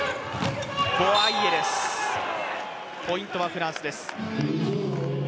ボワイエ、ポイントはフランスです。